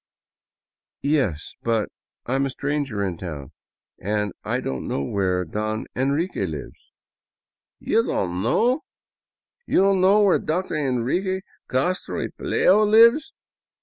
" Yes, but I am a stranger in town and I don't know where Don Enrique lives." *' You don't know ? You don't know where Dr. Enrique Castro y Pelayo lives!